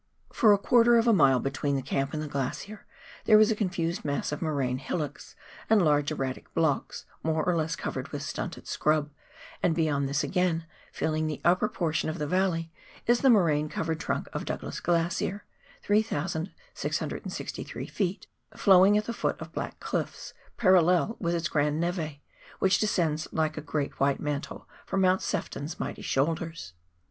For a quarter of a mile between the camp and the glacier there was a confused mass of moraine hillocks and large erratic blocks, more or less covered with stunted scrub ; and beyond this again, filling the upper portion of the valley, is the moraine covered trunk of Douglas Glacier (3,663 ft.), flowing at the foot of black cliffs, parallel with its grand neve, which descends like a great white mantle from Mount Sefton's mighty shoulders.